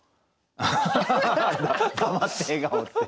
黙って笑顔っていう。